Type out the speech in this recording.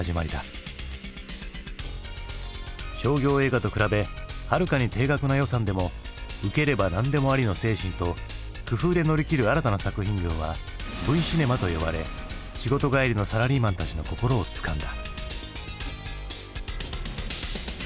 商業映画と比べはるかに低額な予算でも受ければ何でもありの精神と工夫で乗り切る新たな作品群は「Ｖシネマ」と呼ばれ仕事帰りのサラリーマンたちの心をつかんだ。